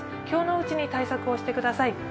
今日のうちに対策をしてください。